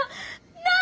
なあ！